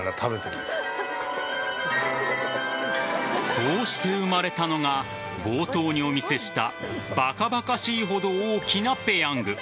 こうして生まれたのが冒頭にお見せしたバカバカしいほど大きなペヤング。